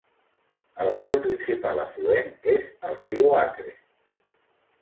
El seu principal afluent és el riu Acre.